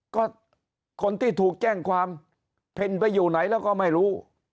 ก็คนที่ถูกแจ้งความเพ็ญไปอยู่ไหนแล้วก็ไม่รู้